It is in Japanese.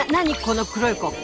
この黒い子。